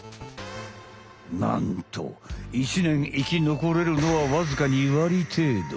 なんと１ねん生き残れるのはわずか２割程度。